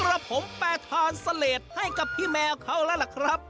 ละผมแปรทานเสลดให้กับพี่แมวเขาแล้วล่ะครับ